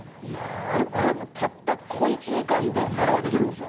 あれも、たった小一時間であれができるんですよ。